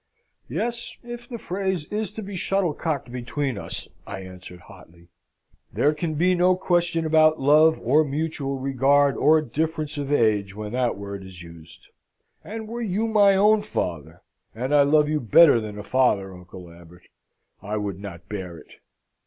"Yes, if the phrase is to be shuttlecocked between us!" I answered, hotly. "There can be no question about love, or mutual regard, or difference of age, when that word is used: and were you my own father and I love you better than a father, Uncle Lambert, I would not bear it!